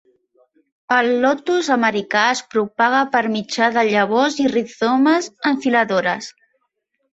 El lotus americà es propaga per mitjà de llavors i rizomes enfiladores.